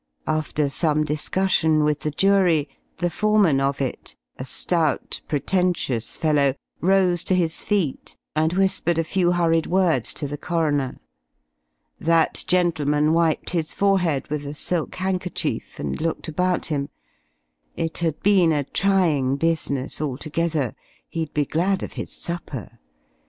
After some discussion with the jury, the foreman of it, a stout, pretentious fellow, rose to his feet and whispered a few hurried words to the coroner. That gentleman wiped his forehead with a silk handkerchief and looked about him. It had been a trying business altogether. He'd be glad of his supper.